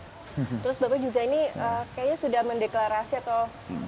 terus bapak juga ini kayaknya sudah mendeklarasi atau